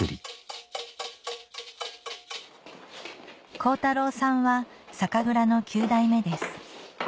恒太朗さんは酒蔵の９代目です